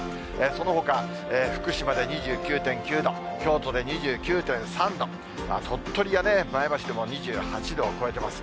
そのほか、福島で２９．９度、京都で２９．３度、鳥取や前橋でも２８度を超えています。